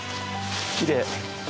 きれい。